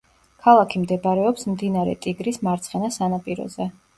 ქალაქი მდებარეობს მდინარე ტიგრის მარცხენა სანაპიროზე.